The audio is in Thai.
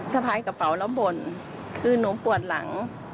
สะพายกระเป๋าแล้วบ่นคือหนูปวดหลัง